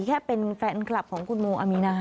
แค่เป็นแฟนคลับของคุณโมอามีนา